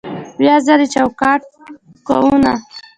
بیا ځلې چوکاټ کوونه